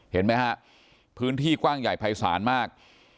เห็นไหมฮะพื้นที่กว้างใหญ่ภายศาลมาก